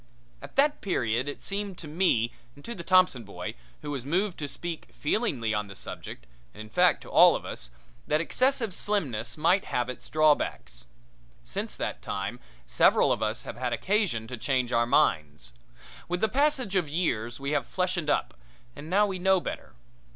At that period it seemed to me and to the Thompson boy, who was moved to speak feelingly on the subject, and in fact to all of us, that excessive slimness might have its drawbacks. Since that time several of us have had occasion to change our minds. With the passage of years we have fleshened up, and now we know better.